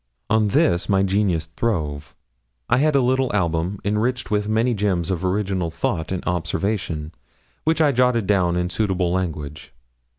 On this, my genius throve. I had a little album, enriched with many gems of original thought and observation, which I jotted down in suitable language.